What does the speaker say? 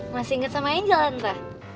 masih ingat sama angel tante